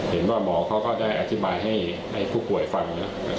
เห็นว่าหมอเขาก็ได้อธิบายให้ผู้ป่วยฟัง